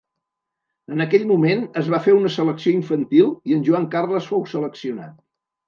En aquell moment es va fer una selecció infantil i en Joan Carles fou seleccionat.